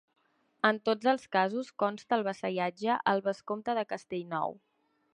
En tots els casos consta el vassallatge al vescomte de Castellnou.